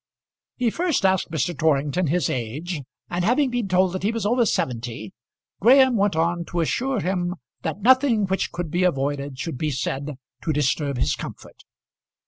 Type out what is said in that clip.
He first asked Mr. Torrington his age, and having been told that he was over seventy, Graham went on to assure him that nothing which could be avoided should be said to disturb his comfort.